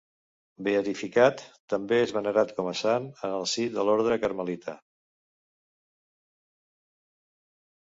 Beatificat, també és venerat com a sant en el si de l'orde carmelita.